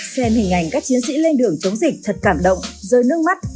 xem hình ảnh các chiến sĩ lên đường chống dịch thật cảm động rơi nước mắt